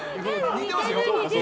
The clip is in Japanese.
似てます。